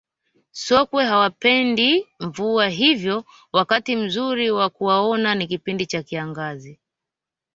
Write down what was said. sokwe hawapendi mvua hivyo wakati mzuri wa kuwaona ni kipindi cha kiangazi